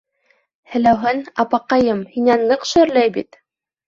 Һеләүһен, апаҡайым, һинән ныҡ шөрләй бит.